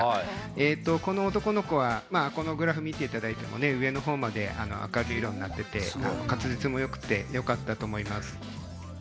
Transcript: この男の子はグラフを見ていただいても上の方まで明るい色になっていて滑舌もよくてよかったと思います。